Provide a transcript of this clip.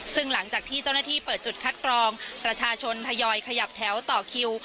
ซึ่งหลังจากที่เจ้าหน้าที่เปิดจุดคัดกรองประชาชนทยอยขยับแถวต่อคิว